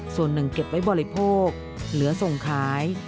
ส่วนหนึ่งเก็บไว้บริโภคเหลือส่งขาย